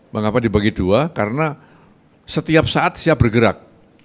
mengapa dibagi dua karena setiap saat siap bergerak